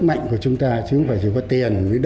đây là con người